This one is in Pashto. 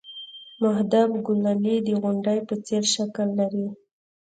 محدب ګولایي د غونډۍ په څېر شکل لري